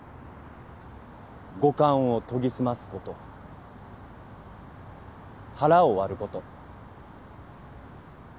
五感を研ぎ澄ますこと腹を割ること。